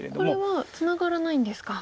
これはツナがらないんですか。